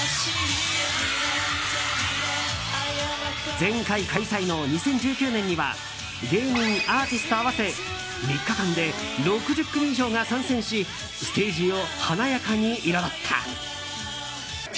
前回開催の２０１９年には芸人、アーティスト合わせ３日間で６０組以上が参戦しステージを華やかに彩った。